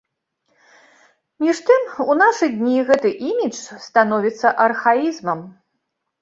Між тым, у нашы дні гэты імідж становіцца архаізмам.